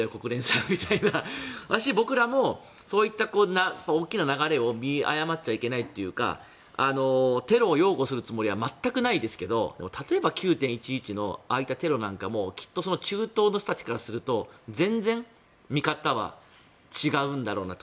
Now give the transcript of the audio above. ましてや僕らもそういった大きな流れを見誤っちゃいけないというかテロを擁護するつもりは全くないですけど例えば９・１１のああいったテロなんかもきっと中東の人たちからすると全然、見方は違うんだろうなと。